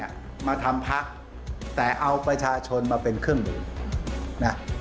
พักมาทำพักแต่เอาประชาชนมาเป็นเครื่องมือ